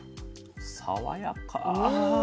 爽やか。